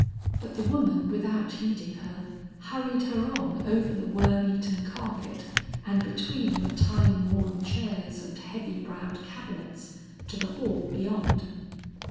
But the woman without heeding her, hurried her on over the worm eaten carpet and between the time worn chairs and heavy browed cabinets, to the hall beyond.